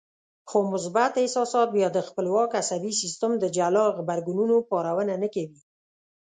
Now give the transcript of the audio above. خو مثبت احساسات بيا د خپلواک عصبي سيستم د جلا غبرګونونو پارونه نه کوي.